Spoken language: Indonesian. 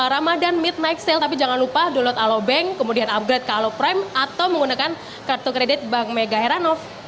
ramadan midnight sale tapi jangan lupa download alobank kemudian upgrade ke aloprime atau menggunakan kartu kredit bank mega heranov